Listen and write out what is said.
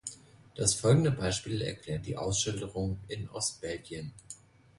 Das folgende Beispiel erklärt die Ausschilderung in Ostbelgien.